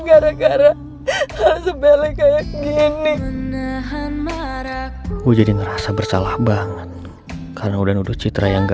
gara gara sebele kayak gini gue jadi ngerasa bersalah banget karena udah udah citra yang